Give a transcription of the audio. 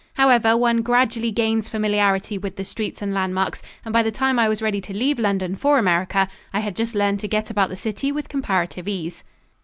However, one gradually gains familiarity with the streets and landmarks, and by the time I was ready to leave London for America, I had just learned to get about the city with comparative ease.